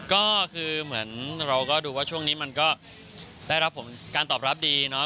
ก็คือเหมือนเราก็ดูว่าช่วงนี้มันก็ได้รับผลการตอบรับดีเนาะ